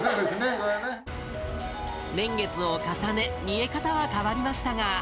年月を重ね、見え方は変わりましたが。